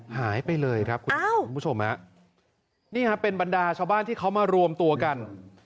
หายไปเลยครับคุณผู้ชมฮะนี่ฮะเป็นบรรดาชาวบ้านที่เขามารวมตัวกัน